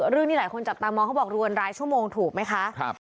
ที่หลายคนจับตามองเขาบอกรวนรายชั่วโมงถูกไหมคะ